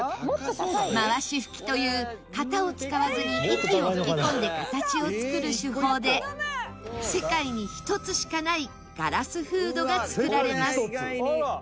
回し吹きという型を使わずに息を吹き込んで形を作る手法で世界に一つしかないガラスフードが作られます。